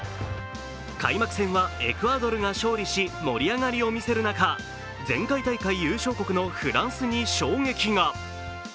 開幕戦はエクアドルが勝利し、盛り上がりを見せる中、前回大会優勝国のフランスに衝撃が。